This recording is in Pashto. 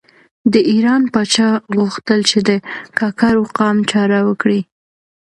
د ایران پاچا غوښتل چې د کاکړو قام چاره وکړي.